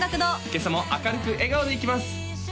今朝も明るく笑顔でいきます